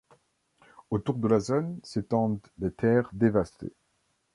Autour de la Zone, s'étendent les Terres Dévastés.